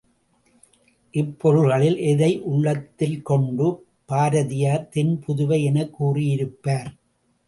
இப் பொருள்களுள் எதை உள்ளத்தில் கொண்டு பாரதியார் தென்புதுவை எனக் கூறியிருப்பார்?